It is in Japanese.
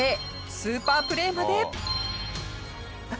スーパープレーまで。